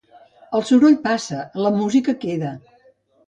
El soroll passa, la música queda.